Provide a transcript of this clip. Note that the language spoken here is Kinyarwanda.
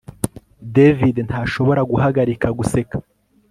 David ntashobora guhagarika guseka